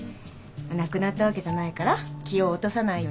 なくなったわけじゃないから気を落とさないようにね。